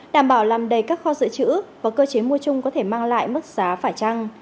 đảm bảo làm đầy các kho dự trữ và cơ chế mua chung có thể mang lại mức giá phải trăng